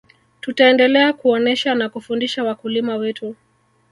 tutaendelea kuonesha na kufundisha wakulima wetu